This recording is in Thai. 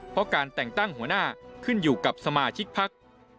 เพราะการแต่งตั้งหัวหน้าขึ้นอยู่กับสมาชิกพัก